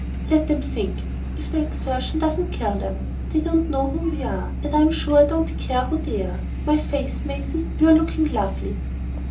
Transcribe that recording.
"Let 'em think,—if the exertion doesn't kill them. They don't know who we are, and I'm sure I don't care who they are. My faith, Maisie, you're looking lovely!"